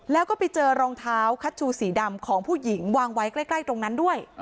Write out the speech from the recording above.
แล้วก็ไปเจอรองเท้าคัชชูสีดำของผู้หญิงวางไว้ใกล้ตรงนั้นด้วย